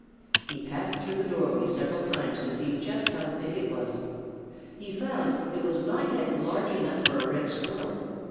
He passed through the doorway several times to see just how big it was. He found it was not yet large enough for a Red Squirrel.